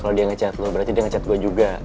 kalo dia ngechat lo berarti dia ngechat gue juga